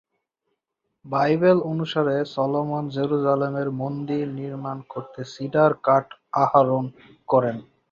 Bible অনুসারে Solomon জেরুজালেমে মন্দির নির্মাণ করতে সিডার কাঠ আহরণ করেন।